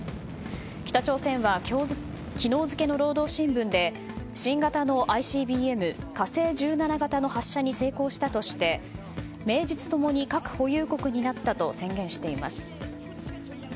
北朝鮮は昨日付の労働新聞で新型のＩＣＢＭ「火星１７型」の発射に成功したとして名実共に核保有国になったと宣言しています。